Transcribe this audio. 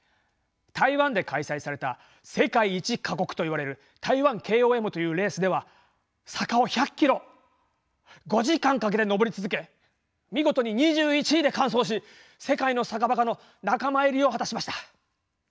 台湾で開催された世界一過酷といわれる台湾ＫＯＭというレースでは坂を１００キロ５時間かけて上り続け見事に２１位で完走し世界の坂バカの仲間入りを果たしました。